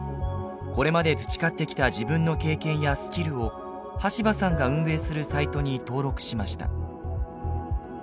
これまで培ってきた自分の経験やスキルを端羽さんが運営するサイトに登録しました。